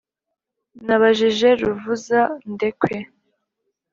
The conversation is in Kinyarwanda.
nabajije ruvuzandekwe,